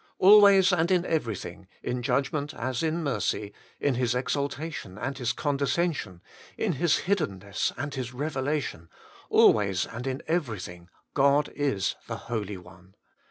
Always and in everything, in Judgment as in Mercy, in His Exalta tion and His Condescension, in His Hiddenness and His Revelation, always and in everything, God is the Holy One.